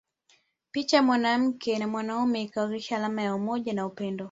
Picha ya mwanamke na mwanaume ikiwakilisha alama ya umoja na upendo